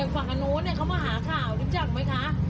เด็กฝั่งนู้นเขามาหาข่าวรู้จักไหมคะ